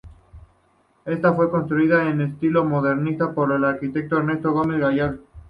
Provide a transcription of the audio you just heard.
Esta fue construida en estilo modernista por el arquitecto Ernesto Gómez Gallardo.